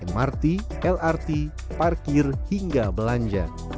mrt lrt parkir hingga belanja